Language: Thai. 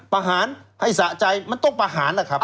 ประหารให้สะใจมันต้องประหารล่ะครับ